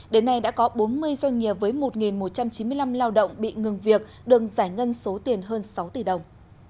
đến nay đã có bốn mươi doanh nghiệp với một một trăm chín mươi năm lao động bị ngừng việc đừng giải ngân số tiền hơn sáu tỷ đồng